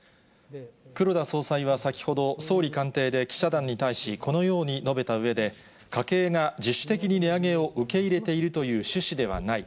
黒田総裁は先ほど、総理官邸で記者団に対し、このように述べたうえで、家計が自主的に値上げを受け入れているという趣旨ではない。